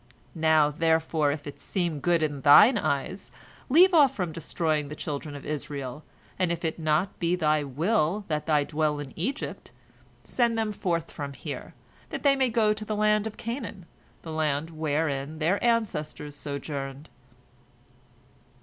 Now, therefore, if it seem good in thine eyes, leave off from destroying the children of Israel, and if it be not thy will that they dwell in Egypt, send them forth from here, that they may go to the land of Canaan, the land wherein their ancestors sojourned."